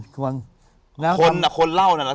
คนเหล้านั้นนะสัตว์ภาพ